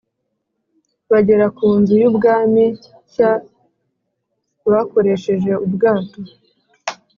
Bagera ku Nzu y Ubwami nshya bakoresheje ubwato.